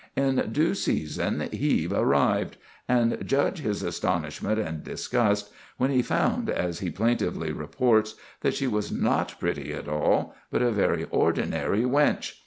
In due season, Hebe arrived; and judge his astonishment and disgust, when he found, as he plaintively reports, that she was not pretty at all, but a very ordinary wench!